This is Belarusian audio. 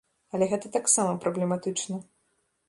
Але гэта таксама праблематычна.